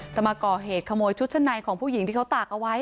แต่มาก่อเหตุขโมยชุดชั้นในของผู้หญิงที่เขาตากเอาไว้